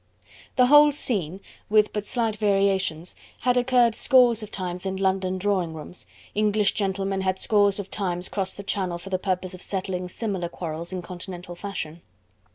The whole scene with but slight variations had occurred scores of times in London drawing rooms, English gentlemen had scores of times crossed the Channel for the purpose of settling similar quarrels in continental fashion.